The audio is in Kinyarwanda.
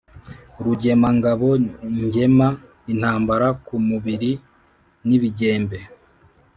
Rugemangabo ngema intambara ku mubili n’ibigembe